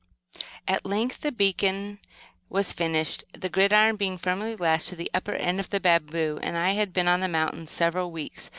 At length the beacon was finished, the gridiron being firmly lashed to the upper end of the bamboo; and I had been on the mountain seven weeks.